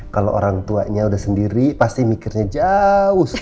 kalo orang tuanya udah sendiri pasti mikirnya jauh sekali